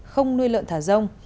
không nuôi lợn thả rông